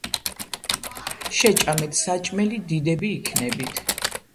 შეჭამეთ საჭმელი დიდები იქნებით.